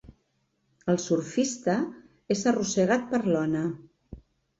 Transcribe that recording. El surfista és arrossegat per l'ona.